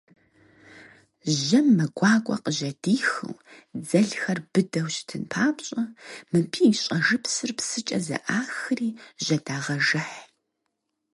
Жьэм мэ гуакӏуэ къыжьэдихыу, дзэлхэр быдэу щытын папщӏэ, мыбы и щӏэжыпсыр псыкӏэ зэӏахри жьэдагъэжыхь.